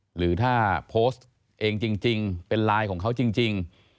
หรือถ้าโพสต์เองจริงเป็นไลน์ของเขาจริง